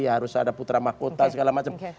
harus ada putra mahkota segala macam